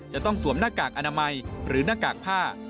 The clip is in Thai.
สวมหน้ากากอนามัยหรือหน้ากากผ้า